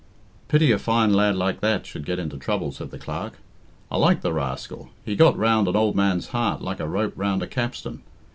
"Pity a fine lad like that should get into trouble," said the Clerk. "I like the rascal. He got round an old man's heart like a rope round a capstan.